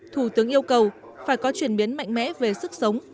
thủ tướng yêu cầu phải có chuyển biến mạnh mẽ về sức sống